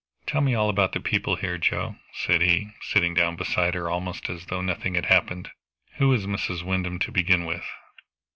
"Tell me all about the people here, Joe," said he, sitting down beside her almost as though nothing had happened. "Who is Mrs. Wyndham, to begin with?"